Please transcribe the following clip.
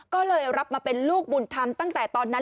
ก็เลยรับมาเป็นลูกบุญธรรมตั้งแต่ตอนนั้น